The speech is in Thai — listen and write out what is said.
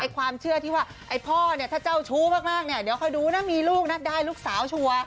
ความเชื่อที่ว่าพ่อเจ้าชู้มากเดี๋ยวค่อยดูนะมีลูกนะได้ลูกสาวชัวร์